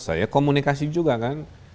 saya komunikasi juga kan